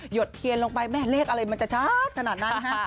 ดเทียนลงไปแม่เลขอะไรมันจะชัดขนาดนั้นฮะ